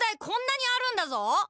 こんなにあるんだぞ！？